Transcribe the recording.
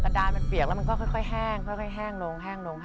กระดานมันเปียกแล้วก็ค่อยแห้งลง